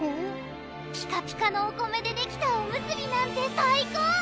ピカピカのお米でできたおむすびなんて最高！